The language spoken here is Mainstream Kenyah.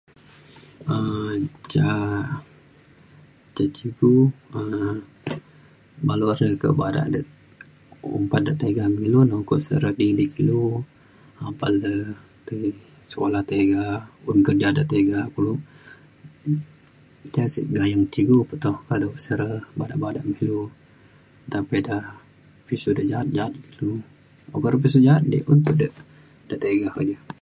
um ca ca cikgu um balau re kak bada de ompak de tega me ilu nu ukok se re di di kulu apan le te sekula tega un kerja de tega kulu. Ja sek gayeng cikgu pe toh kulu kado te se re bada bada ngan kulu nta pa ida pisu de ja’at ja’at kulu. Okak de pisu ja’at di un te di de tega ja.